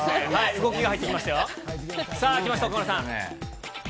動きが入ってきましたよ。